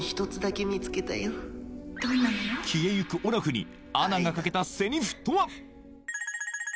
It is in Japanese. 消えゆくオラフにアナがかけたセリフとは？